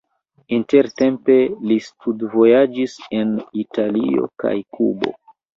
Intertempe li studvojaĝis en Italio kaj Kubo.